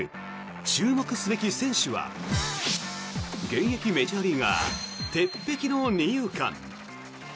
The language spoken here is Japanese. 注目すべき選手は現役メジャーリーガー鉄壁の二遊間。